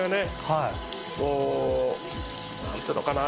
こうなんていうのかな。